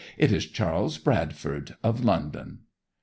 'It is Charles Bradford, of London.